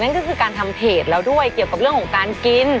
ก็คือการทำเพจแล้วด้วยเกี่ยวกับเรื่องของการกิน